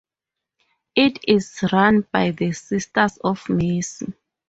It is run by the Sisters of Mercy.